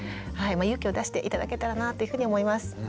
勇気を出して頂けたらなというふうに思います。